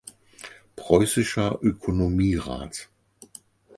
Preußischer Ökonomierat.